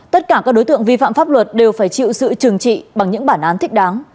tất cả các đối tượng vi phạm pháp luật đều phải chịu sự trừng trị bằng những bản án thích đáng